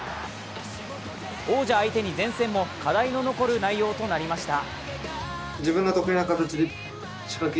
王者相手に善戦も課題の残る内容となりました。